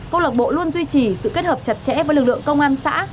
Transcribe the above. công lạc bộ luôn duy trì sự kết hợp chặt chẽ với lực lượng công an xã